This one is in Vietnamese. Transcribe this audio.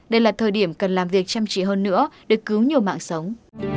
đây là thời điểm cần làm việc chăm chỉ hơn nữa để cứu nhiều mạng sống